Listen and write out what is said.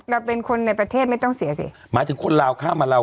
เราเป็นคนในประเทศไม่ต้องเสียสิหมายถึงคนลาวข้ามมาเรา